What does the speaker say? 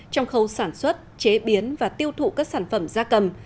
trong khâu sản xuất chế biến và tiêu thụ các sản phẩm da cầm